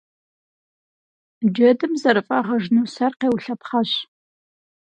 Джэдым зэрыфӀагъэжыну сэр къеулъэпхъэщ.